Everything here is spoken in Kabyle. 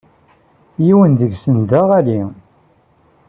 Yiwen seg-sen d aɣalli.